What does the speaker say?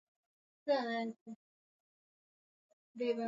lakini sharti ni watu waonyeshe kwa kidemokrasia kwamba hawataki jambo fulani